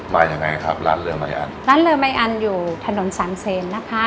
มาที่ยังไงครับร้านเรือมายอันร้านเรือมายอันอยู่ถนนสามเซนนะคะค่ะ